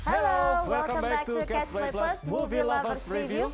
halo selamat datang kembali di catch play plus movie lovers review